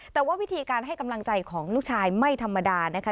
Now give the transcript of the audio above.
แต่ว่าวิธีการให้กำลังใจของลูกชายไม่ธรรมดานะคะ